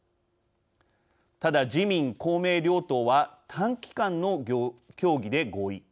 ただ自民公明両党は短期間の協議で合意。